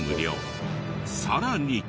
さらに。